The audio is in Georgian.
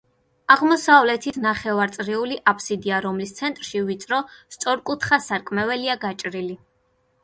აღმოსავლეთით ნახევარწრიული აფსიდია, რომლის ცენტრში ვიწრო, სწორკუთხა სარკმელია გაჭრილი.